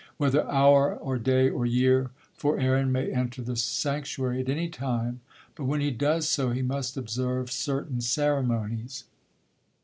Whether hour, or day or year, for Aaron may enter the sanctuary at any time, but when he does so, he must observe certain ceremonies."